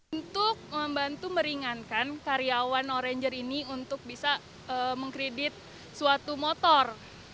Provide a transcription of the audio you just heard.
untuk membantu meringankan karyawan oranger ini untuk bisa mengkredit suatu motor